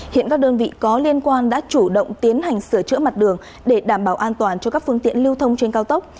hiện các đơn vị có liên quan đã chủ động tiến hành sửa chữa mặt đường để đảm bảo an toàn cho các phương tiện lưu thông trên cao tốc